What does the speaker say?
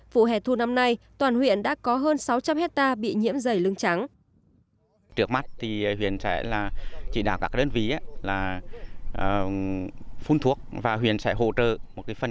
vụ hẻ thu năm nay toàn huyện đã có hơn sáu trăm linh hectare bị nhiễm dày lưng trắng